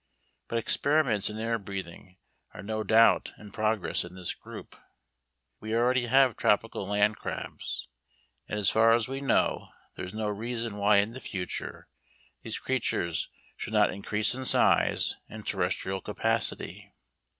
But experiments in air breathing are no doubt in progress in this group we already have tropical land crabs and as far as we know there is no reason why in the future these creatures should not increase in size and terrestrial capacity.